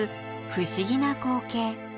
不思議な光景。